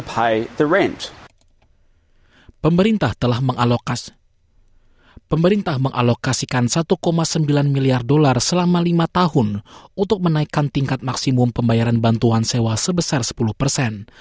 pemerintah telah mengalokasi pemerintah mengalokasikan satu sembilan miliar dolar selama lima tahun untuk menaikkan tingkat maksimum pembayaran bantuan sewa sebesar sepuluh persen